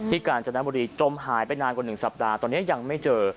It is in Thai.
กาญจนบุรีจมหายไปนานกว่า๑สัปดาห์ตอนนี้ยังไม่เจอ